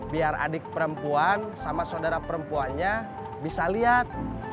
biar adik perempuan sama saudara perempuannya bisa lihat